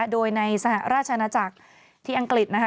โดยในสหราชนาจักรที่อังกฤษนะคะ